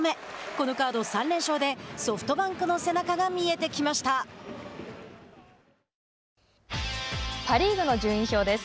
このカード３連勝でソフトバンクの背中がパ・リーグの順位表です。